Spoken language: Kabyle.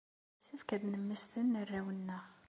Yessefk ad nemmesten arraw-nneɣ.